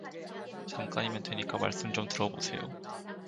잠깐이면 되니까 말씀 좀 들어보세요.